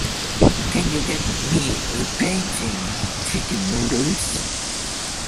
Can you get me the painting, Chicken Noodles?